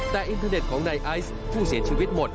แต่อินเทอร์เน็ตของนายไอซ์ผู้เสียชีวิตหมด